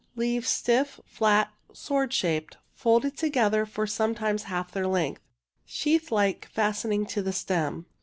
Leaves stiff, flat, sword shaped, folded to gether for sometimes half their length, sheath like fastening to stem.